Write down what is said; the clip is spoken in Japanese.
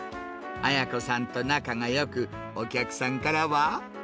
綾子さんと仲がよく、お客さんからは。